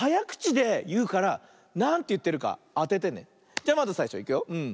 じゃまずさいしょいくよ。